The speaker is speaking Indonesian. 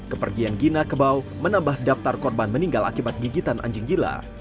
kepergian gina kebau menambah daftar korban meninggal akibat gigitan anjing gila